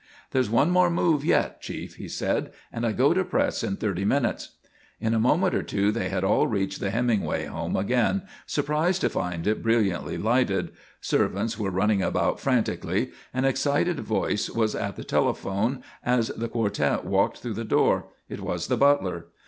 "There's one more move yet, Chief," he said, "and I go to press in thirty minutes." In a moment or two they had all reached the Hemingway home again, surprised to find it brilliantly lighted. Servants were running about frantically. An excited voice was at the telephone as the quartet walked through the door. It was the butler.